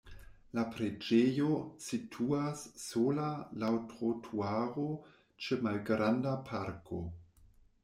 La preĝejo situas sola laŭ trotuaro ĉe malgranda parko.